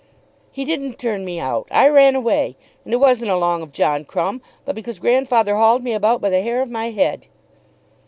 "He didn't turn me out. I ran away. And it wasn't along of John Crumb, but because grandfather hauled me about by the hair of my head."